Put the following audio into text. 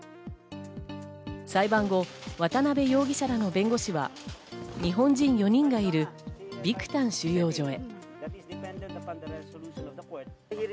裁判後、渡辺容疑者らの弁護士は日本人４人がいるビクタン収容所へ。